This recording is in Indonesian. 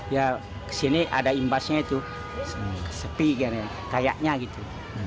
ya kesini ada imbasnya itu sepi kayaknya gitu